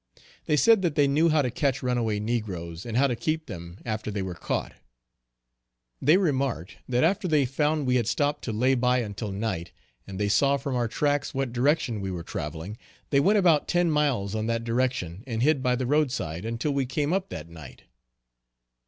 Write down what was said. They said that they knew how to catch runaway negroes, and how to keep them after they were caught. They remarked that after they found we had stopped to lay by until night, and they saw from our tracks what direction we were travelling, they went about ten miles on that direction, and hid by the road side until we came up that night.